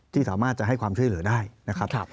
ที่สามารถจะให้ความช่วยเหลือได้นะครับ